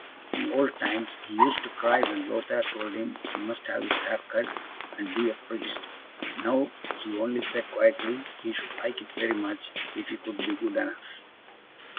In old times, he used to cry when Lothaire told him he must have his hair cut, and be a priest; now, he only said quietly, he should like it very much, if he could be good enough.